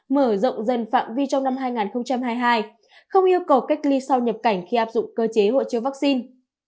mở rộng dần phạm vi trong năm hai nghìn hai mươi hai không yêu cầu cách ly sau nhập cảnh khi áp dụng cơ chế hội chứa vaccine